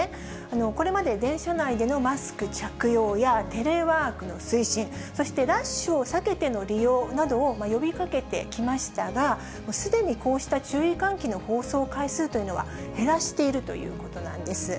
これまで電車内でのマスク着用や、テレワークの推進、そしてラッシュを避けての利用などを呼びかけてきましたが、すでにこうした注意喚起の放送回数というのは、減らしているということなんです。